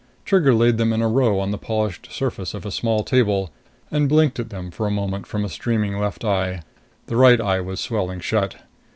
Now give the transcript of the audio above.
Trigger laid them in a row on the polished surface of a small table, and blinked at them for a moment from a streaming left eye. The right eye was swelling shut.